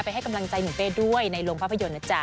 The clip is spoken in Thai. ให้กำลังใจหนุ่มเป้ด้วยในโรงภาพยนตร์นะจ๊ะ